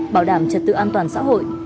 bảo đảm trật tự an toàn xã hội